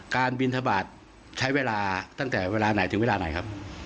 บินทบาทใช้เวลาตั้งแต่เวลาไหนถึงเวลาไหนครับ